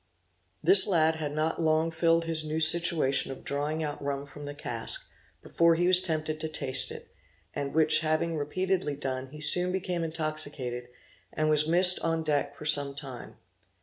This lad had not long filled his new situation of drawing out rum from the cask, before he was tempted to taste it, and which having repeatedly done he soon became intoxicated, and was missed on deck for some time.